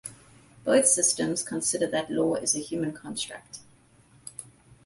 Both systems consider that law is a human construct.